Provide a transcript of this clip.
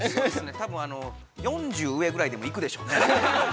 多分、４０上ぐらいでも行くでしょうね。